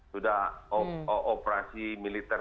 sudah operasi militer